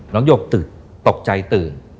น้องหยกตกใจตื่น